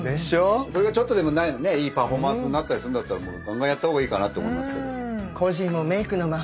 それがちょっとでもいいパフォーマンスになったりするんだったらガンガンやった方がいいかなって思いますけど。